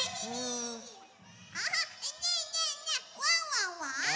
あっねえねえねえワンワンは？